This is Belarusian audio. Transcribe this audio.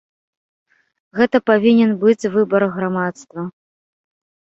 Гэта павінен быць выбар грамадства.